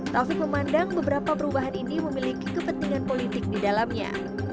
taufik memandang beberapa perubahan ini memiliki kepentingan politik di dalamnya